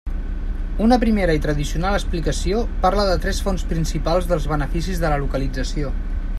Una primera i tradicional explicació parla de tres fonts principals dels beneficis de la localització.